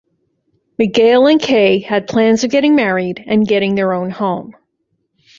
Miguel and Kay had plans of getting married and getting their own home.